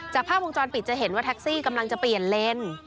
ภาพวงจรปิดจะเห็นว่าแท็กซี่กำลังจะเปลี่ยนเลน